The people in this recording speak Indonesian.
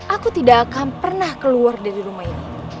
aku tidak akan pernah keluar dari rumah ini